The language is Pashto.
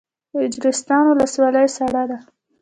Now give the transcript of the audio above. اجرستان ولسوالۍ سړه ده؟